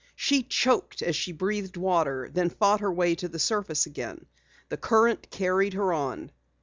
She choked as she breathed water, then fought her way to the surface again. The current carried her on.